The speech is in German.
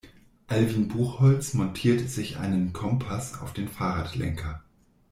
Alwin Buchholz montiert sich einen Kompass auf den Fahrradlenker.